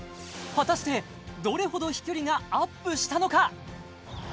果たしてどれほど飛距離がアップしたのか？